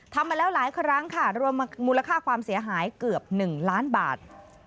มาแล้วหลายครั้งค่ะรวมมูลค่าความเสียหายเกือบ๑ล้านบาท